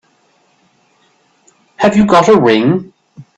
Have you got a ring?